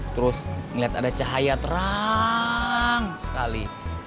terus ngeliat ada cahaya terang sekali